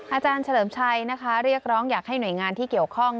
อาจารย์เฉลิมชัยนะคะเรียกร้องอยากให้หน่วยงานที่เกี่ยวข้อง